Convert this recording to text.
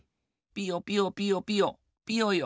ピヨピヨピヨピヨピヨヨ。